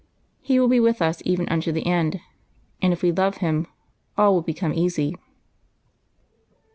He will be with us even unto the end, and if we love Him all will become easy.